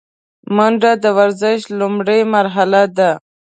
منډه د ورزش لومړۍ مرحله ده